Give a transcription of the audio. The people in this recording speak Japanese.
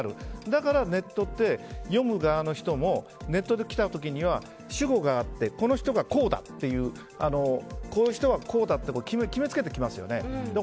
だからネットって読む側の人もネットできた時には主語があってこの人がこうだというこの人はこうだって決めつけてきますよね。